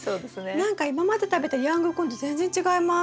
何か今まで食べたヤングコーンと全然違います。